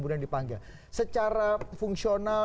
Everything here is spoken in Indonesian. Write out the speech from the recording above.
dipanggil secara fungsional